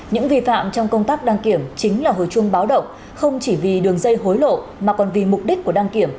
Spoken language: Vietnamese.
những vi phạm trong công tác đăng kiểm chính là hồi chuông báo động không chỉ vì đường dây hối lộ mà còn vì mục đích của đăng kiểm